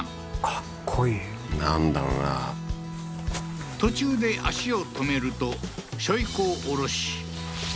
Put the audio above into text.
かっこいいなんだろうな途中で足を止めると背負子を下ろし